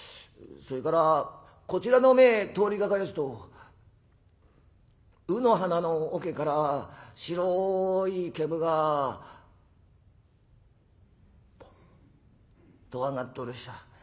それからこちらの前通りがかりやすと卯の花の桶から白い煙がポッと上がっておりやした。